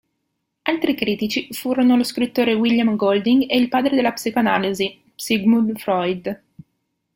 Altri critici furono lo scrittore William Golding e il padre della psicoanalisi Sigmund Freud.